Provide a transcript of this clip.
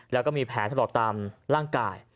แล้วก็มีแผลถลอกตามร่างกาย